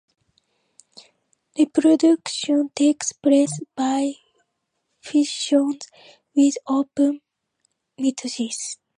Reproduction takes place by fission, with open mitosis.